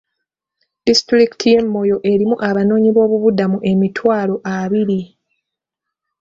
Disitulikiti y'e Moyo erimu abanoonyiboobubudamu emitwalo abiri.